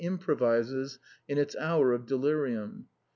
169 provises in its hours of delirium.